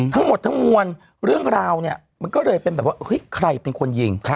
ทั้งหมดทั้งมวลเรื่องราวเนี่ยมันก็เลยเป็นแบบว่าเฮ้ยใครเป็นคนยิง